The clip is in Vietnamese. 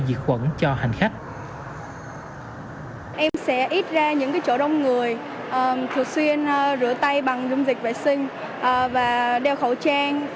diệt khuẩn cho hành khách